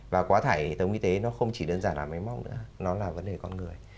và quá tải hệ thống y tế nó không chỉ đơn giản là máy móc nữa nó là vấn đề con người